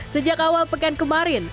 sejak awal pekan kemarin